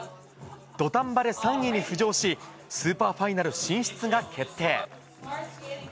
土壇場で３位に浮上し、スーパーファイナル進出が決定。